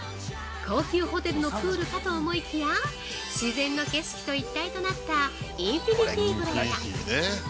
高級ホテルのプールかと思いきや自然の景色と一体となったインフィニティ風呂や！